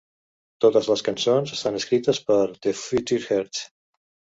Totes les cançons estan escrites per The Futureheads.